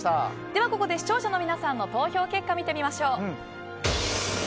ではここで視聴者の皆さんの投票結果を見てみましょう。